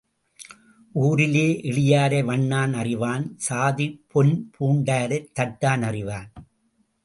ஊரிலே எளியாரை வண்ணான் அறிவான் சாதிப் பொன் பூண்பாரைத் தட்டான் அறிவான்.